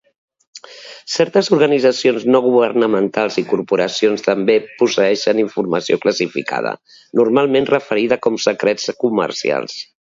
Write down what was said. Certes organitzacions no governamentals i corporacions també posseeixen informació classificada, normalment referida com secrets comercials.